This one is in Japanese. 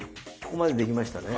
ここまでできましたね？